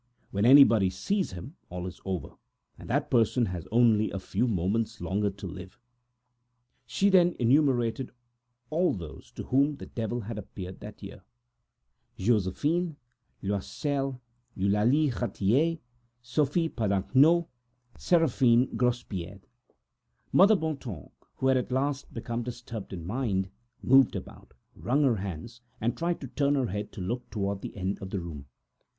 When anybody had seen him, all was over, and that person had only a few moments longer to live"; and she enumerated all those to whom the Devil had appeared that year: Josephine Loisel, Eulalie Ratier, Sophie Padagnau, Seraphine Grospied. Mother Bontemps, who was at last most disturbed in mind, moved about, wrung her hands, and tried to turn her head to look at the other end of the room.